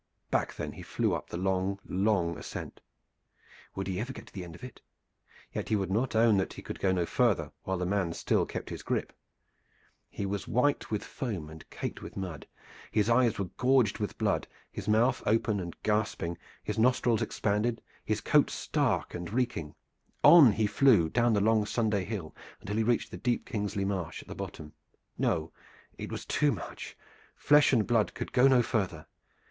Back then he flew up the long, long ascent. Would he ever get to the end of it? Yet he would not own that he could go no farther while the man still kept his grip. He was white with foam and caked with mud. His eyes were gorged with blood, his mouth open and gasping, his nostrils expanded, his coat stark and reeking. On he flew down the long Sunday Hill until he reached the deep Kingsley Marsh at the bottom. No, it was too much! Flesh and blood could go no farther.